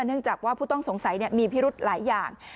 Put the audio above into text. เนื่องจากว่าผู้ต้องสงสัยมีพิรุธหลายอย่าง